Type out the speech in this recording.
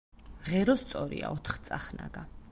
ღერო სწორია, ოთხწახნაგა.